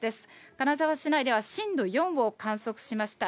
金沢市内では震度４を観測しました。